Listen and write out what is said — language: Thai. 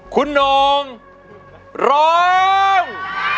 คุณองค์ร้อง